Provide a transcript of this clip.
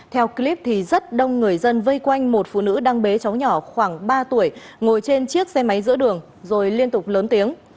theo clip thì rất đông người dân vây quanh một phụ nữ đang bế cháu nhỏ khoảng ba tuổi ngồi trên chiếc xe máy giữa đường rồi liên tục lớn tiếng